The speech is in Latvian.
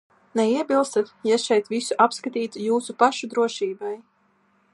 Neiebilstat, ja es šeit visu apskatītu jūsu pašu drošībai?